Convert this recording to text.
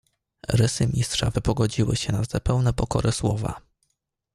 "Rysy mistrza wypogodziły się na te pełne pokory słowa."